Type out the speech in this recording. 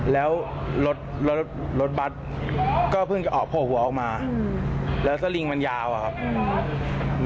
แล้วรถรถบัตรก็เพิ่งจะออกโผล่หัวออกมาแล้วสลิงมันยาวอะครับ